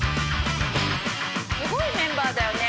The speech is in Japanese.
すごいメンバーだよね